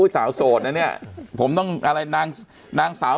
สาวโสดนะเนี่ยผมต้องอะไรนางสาว